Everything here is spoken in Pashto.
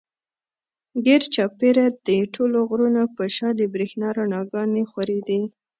ګېر چاپېره د ټولو غرونو پۀ شا د برېښنا رڼاګانې خورېدې